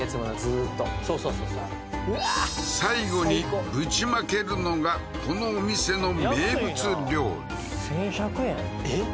ずーっとそうそうそうそう最後にぶちまけるのがこのお店の名物料理１１００円？えっ？